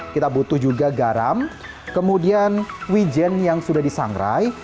kita butuh juga garam kemudian wijen yang sudah disangrai